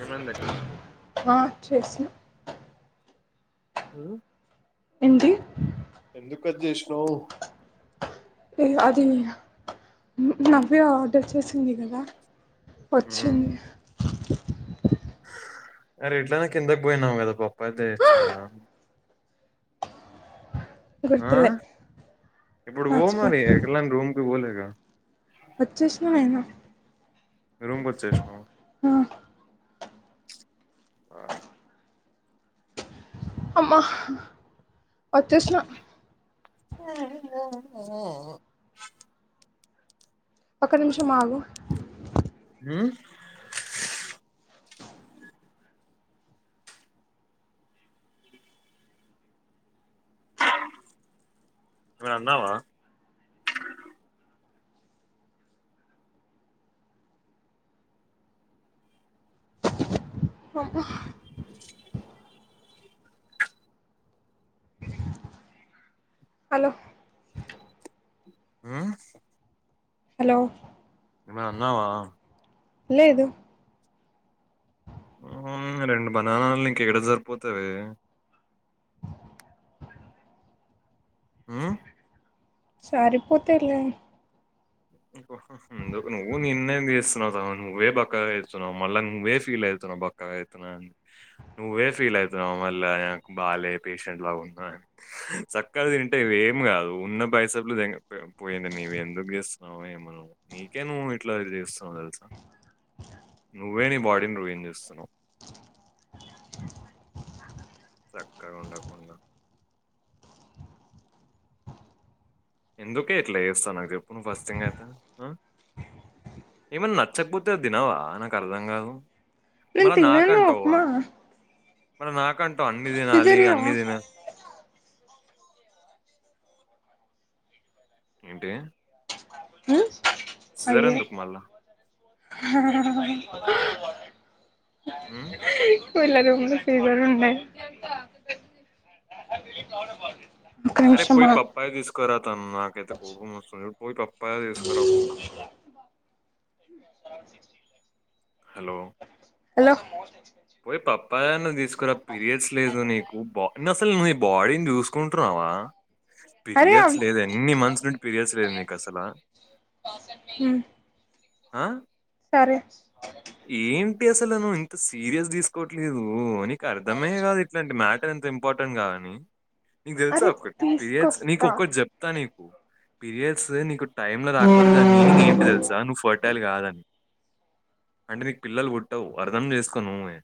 ఏమైంది మా చేసిన ఉ ఏంటి కట్ చేసినావ్ నా నవ్యా దచ్చేసింది గదా ఉమ్ వచ్చిందిగా అరే ఇట్లానే కిందకి పోయినాం కదా పప్పాయి దేయచ్చు కదా ఆ గుర్తులే ఇప్పుడు బో మర్చిపోయా మరి ఎ కలాన్ రూమ్కి బోలేగా వచ్చేశ్న వైను మీరుంకొచ్చేశిన్వ అమ్మా వచ్చేసిన ఒక్క నిమిషం ఆగు ఉ ఏమైనా అన్నావా అబ్బ హలో ఆ హలో ఏమైనా అన్నావా లేదు రెండు బనానాలు నీకెడ సరిపోతావే ఉ సరిపోతైలే ఎందుకు నువ్వు నిర్ణయం తీస్తునా తర్వాత నువ్వే బక్కగా అయితున్నావ్ మళ్ళా నువ్వే ఫీల్ అయితు బక్కగా అయితున్నండి నువ్వే ఫీల్ అయితున్నావు మళ్ళ నాకు బాలే పేషెంట్ లా ఉన్నా అని సక్కగా తింటే ఇవి ఏం కాదు ఉన్న బైసపులు పోయింది నీవి ఎందుకు జేస్ నవేమ నువు నీకే నువ్వు ఇట్లా చేస్తావు తెలుసా నువ్వే నీ బాడీని రూయంజస్తున్నావు చక్కగా ఉండకుండా ఎందుకే ఇట్లా చేస్తా నాకు చెప్పును ఫస్ట్ థింగ్ అయితే ఆ ఏమన్నా నచ్చకపోతే తినవా నాకు అర్థం కాదు నేను మళ తిన్నాను నాకంటావ ఉప్మా మల నాకంటవు అన్ని ఫిగర్ తినాలి ఇయ్యవా అన్ని తిన ఏంటి హ సీజర్ ఎందుకు మల్ల ఉ వీళ్ళ జూడు సీజర్ ఉండే ఒక అరే నిమిషం పోయి ఆగు పప్పాయ తీసుకురా తను నాకైతే కోపం మస్తుంది చూడు పోయి పప్పయ తీసుకురాపో సెవ సిక్స్టీ ఫ హలో హలో పోయి పప్పాయన్న తీసుకురా పీరియడ్స్ లేదు నీకు బా ఇన్న అసలు నువ్వు ఈ బాడీని చూసుకుంటున్నావా అరే పీరియడ్స్ అవ్ లేదు ఎన్ని మంత్స్ నుండి పీరియడ్స్ లేదు నీకు అసలా ఆ ఆ సరే ఏంటి అసల నువు ఇంత సీరియస్ తీసుకోవట్లేదు నీకు అర్థమే కాదు ఇట్లాంటి మా మ్యాటర్ ఎంత ఇంపార్టెంట్ కాదని నీకు తెలుసా అరే ఒకటి పిరియడ్స్ నీకు తీసుకొస్తా ఒక్కటి చెప్తా నీ పీరియడ్స్ నీకు టైమ్ ల రాకపోతే దాని మీనింగ్ ఏంటి తెలుసా నువ్ ఫ తల్లి గాదని అంటే నీకు పిల్లలు పుట్టవు అర్థం చేసుకో నువ్వే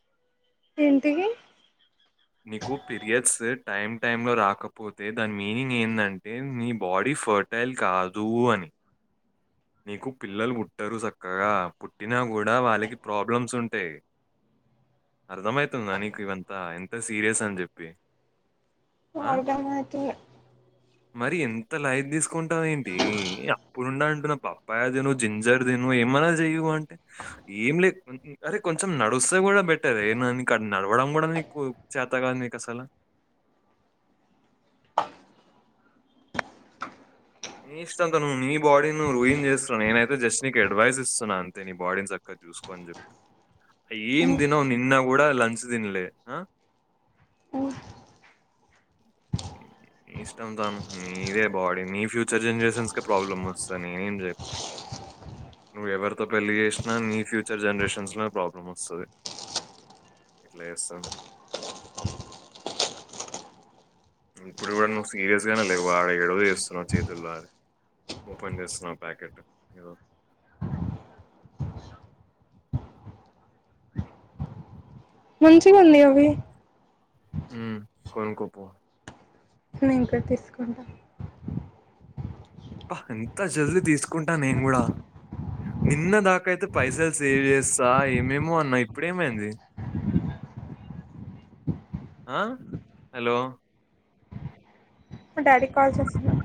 ఏంటివి నీకు పిరియడ్స్ టైం టైంలో రాకపోతే దాని మీనింగ్ ఏందంటే నీ బాడీ ఫర్టైల్ కాదు అని నీకు పిల్లలు పుట్టరు సక్కగా పుట్టినా కూడా వాళ్ళకి ప్రాబ్లమ్స్ ఉంటాయి అర్థంమైతుందా నీకు ఇవంతా ఎంత సీరియస్ అని చెప్పి ఆ అర్ధం అయితుంది మరి ఎంత లైట్ తీసుకుంటావు ఏంటి అప్నుండి అంటున్నా పప్పాయ దీను జింజర్ దిను ఏమన్నా జేయ్యి అంటే ఏం లే అరే కొంచెం నడుస్తే కూడా బెటరె నడవడం కూడా నీకు చేత కాదు నీకు అసల నీ ఇష్టం తను నీ బాడీ నువ్వు రుయిన్ చేస్తున్నావు నేనైతే జస్ట్ నీకు అడ్వైస్ ఇస్తున్నా అంతే నీ బాడీని చక్కగా జూసుకో అని జెప్పి ఏం దినవు నిన్న కూడా లంచ్ దినలే అ ఓ ఇష్టం తను నీదే బాడీ నీ ఫ్యూచర్ జనరేషన్స్కె ప్రాబ్లమ్ వస్తది నేనేం చెప్పా అ నువ్వు ఎవరితో పెళ్లి చేసినా నీ ఫ్యూచర్ జనరేషన్స్ లోనే ప్రాబ్లం వస్తది ఇట్ల ఎస్తానవ్ ఇప్పుడు కూడా నువ్వు సీరియస్ గానే లేవు ఆడ ఎడో చేస్తున్నావు చేతుల్లనే ఓపెన్ చేస్తున్నా ప్యాకెట్ ఇగో ముంచిగ ఉన్నాయ్ అవి కొనుకో పో నేను కూడా తీసుకుంటా అబ్బ ఎంత జల్దీ తీసుకుంటా నేను కూడా నిన్న దాకాయితే పైసలు సేవ్ చేస్తా ఏమేమో అన్నా ఇప్పుడేమైంది ఆ హలో మా డాడీ కాల్ చేస్తున్నారు